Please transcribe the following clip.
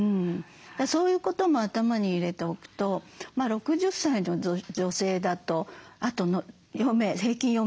そういうことも頭に入れておくと６０歳の女性だとあとの余命平均